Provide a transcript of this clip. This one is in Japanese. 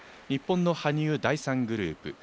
日本の羽生は第３グループ。